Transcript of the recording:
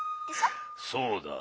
そうだ。